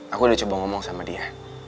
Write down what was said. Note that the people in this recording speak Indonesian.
aku udah coba ngomong sama dia